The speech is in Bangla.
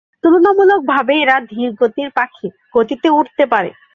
তুলনামূলকভাবে এরা ধীরগতির পাখি, গতিতে উড়তে পারে।